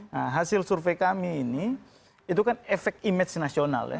nah hasil survei kami ini itu kan efek image nasional ya